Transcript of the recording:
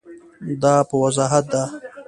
دا په وضاحت ده.